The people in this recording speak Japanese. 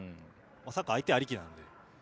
サッカーは相手ありきなので。